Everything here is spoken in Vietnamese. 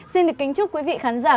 xin được kính chúc quý vị khán giả